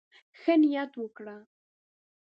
ښه نيت وکړه.